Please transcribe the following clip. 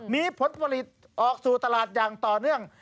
มีผลผลิตออกสู่ตลาดอย่างต่อเนื่อง